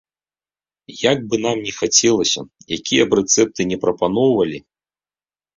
Як бы нам ні хацелася, якія б рэцэпты не прапаноўвалі.